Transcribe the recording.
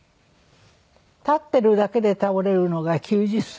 立ってるだけで倒れるのが９０歳。